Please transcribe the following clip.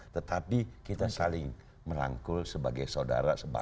tetapi kita saling merangkul sebagai saudara